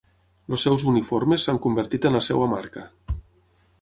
Els seus uniformes s'han convertit en la seva marca.